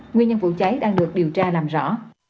nguyên nhân vụ cháy đang được điều tra làm rõ